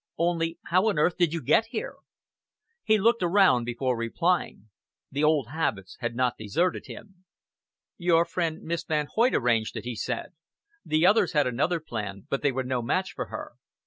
"Only how on earth did you get here?" He looked around before replying. The old habits had not deserted him. "Your friend, Miss Van Hoyt, arranged it," he said. "The others had another plan; but they were no match for her."